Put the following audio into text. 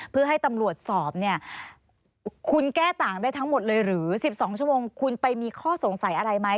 เพื่อให้ตำรวจสอบเนี่ยคุณแก้ต่างได้ทั้งหมดเลยหรือ๑๒ชั่วโมงคุณไปมีข้อสงสัยอะไรไหม